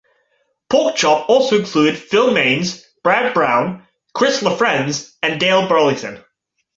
Porkchop also included Phil Maynes, Brad Brown, Chris LaFrenz and Dale Burleyson.